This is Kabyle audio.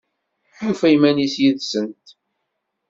Tufa iman-is yid-sent?